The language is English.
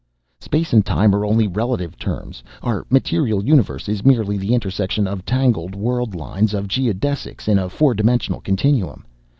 "Space and time are only relative terms. Our material universe is merely the intersection of tangled world lines of geodesics in a four dimensional continuum.